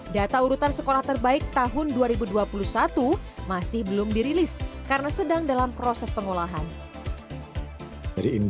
data urutan sekolah terbaik tahun dua ribu dua puluh satu masih belum dirilis karena sedang dalam proses pengolahan